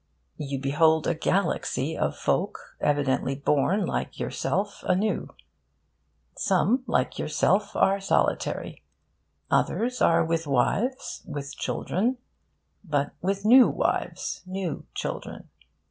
You behold a galaxy of folk evidently born, like yourself, anew. Some, like yourself, are solitary. Others are with wives, with children but with new wives, new children.